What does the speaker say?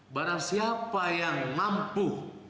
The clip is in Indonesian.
barang siapa yang mampu